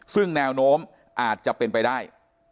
ซึ่งแนวโน้มอาจจะเป็นไปได้